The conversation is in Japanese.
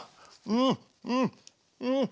うん。